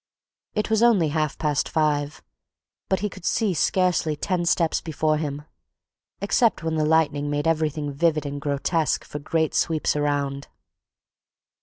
It was only half past five, but he could see scarcely ten steps before him, except when the lightning made everything vivid and grotesque for great sweeps around.